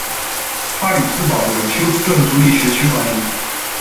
哈里斯堡由休斯顿独立学区管理。